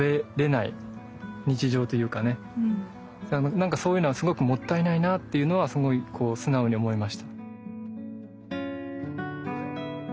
なんかそういうのはすごくもったいないなっていうのはすごいこう素直に思いました。